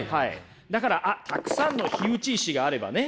だからたくさんの火打ち石があればね